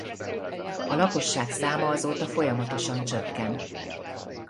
A lakosság száma azóta folyamatosan csökken.